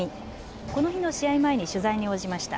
この日の試合前に取材に応じました。